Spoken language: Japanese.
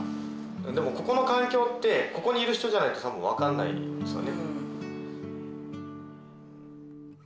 でもここの環境ってここにいる人じゃないとたぶん分かんないんですよね。